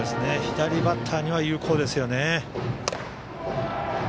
左バッターには有効ですよね。